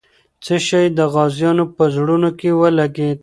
څه شی د غازیانو په زړونو ولګېد؟